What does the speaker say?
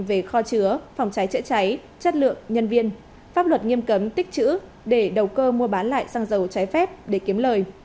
về kho chứa phòng cháy chữa cháy chất lượng nhân viên pháp luật nghiêm cấm tích chữ để đầu cơ mua bán lại xăng dầu trái phép để kiếm lời